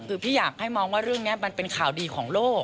คือพี่อยากให้มองว่าเรื่องนี้มันเป็นข่าวดีของโลก